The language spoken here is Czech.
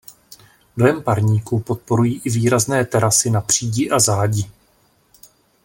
Dojem parníku podporují i výrazné terasy na "přídi" a "zádi".